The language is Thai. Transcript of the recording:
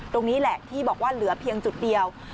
ตรงนี้แหละที่บอกว่าเหลือเพียงจุดเดียว